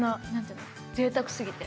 ぜいたく過ぎて。